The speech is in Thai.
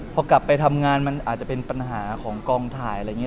พอกลับไปทำงานมันอาจจะเป็นปัญหาของกองถ่ายอะไรอย่างนี้